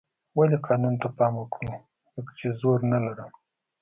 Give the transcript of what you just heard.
ولې قانون ته پام وکړو لکه چې زور نه لرم.